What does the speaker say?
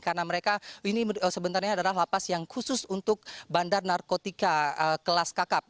karena mereka ini sebenarnya adalah lapas yang khusus untuk bandar narkotika kelas kakap